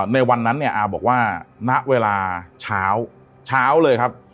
ในวันนั้นเนี่ยอาบอกว่าณเวลาเช้าเช้าเลยครับ